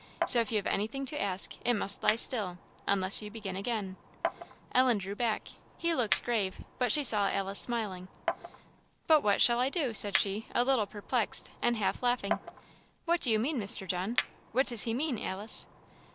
So if you have anything to ask, it must lie still unless you will begin again." Ellen drew back. He looked grave, but she saw Alice smiling. "But what shall I do?" said she, a little perplexed, and half laughing. "What do you mean, Mr. John? What does he mean, Alice?"